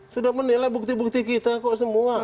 sudah menilai bukti bukti kita kok semua